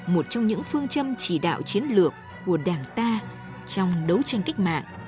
một trong những phương châm chỉ đạo chiến lược của đảng ta trong đấu tranh cách mạng